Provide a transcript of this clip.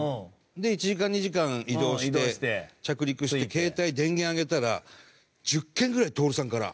で１時間２時間移動して着陸して携帯電源上げたら１０件ぐらい徹さんから。